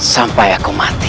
sampai aku mati